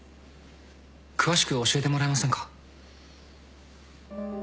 詳しく教えてもらえませんか？